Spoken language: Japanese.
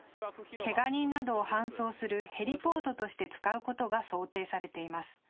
けが人などを搬送するヘリポートとして使うことが想定されています。